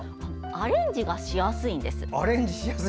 アレンジがしやすいんです。